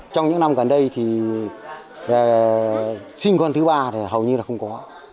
trong những năm gần đây thì về sinh con thứ ba thì hầu như là không có